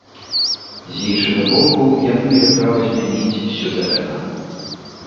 З іншага боку, яны мелі права змяніць сюзерэна.